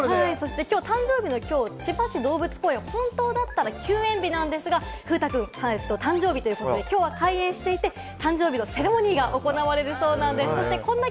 誕生日のきょう、千葉市動物公園が本当だったら休園日なんですが、風太くん、誕生日ということできょうは開園していて、誕生日のセレモニーが行われるそうなんです。